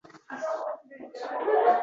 qaytaradigan javobidan qo‘rqish kerak emas.